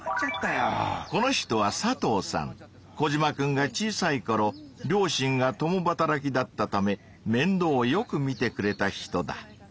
コジマくんが小さいころ両親が共働きだったためめんどうをよくみてくれた人だ。